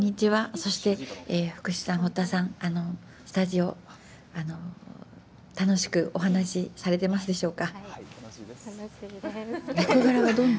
そして福士さん、堀田さん、スタジオ楽しくお話されてますでしょうか。